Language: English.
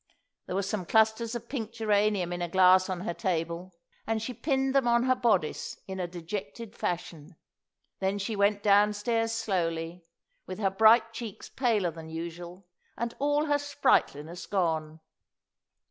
There were some clusters of pink geranium in a glass on her table, and she pinned them on her bodice in a dejected fashion. Then she went downstairs slowly, with her bright cheeks paler than usual and all her sprightliness gone.